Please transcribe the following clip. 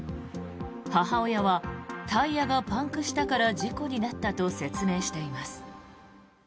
母親はタイヤがパンクしたから事故になったと説明しています。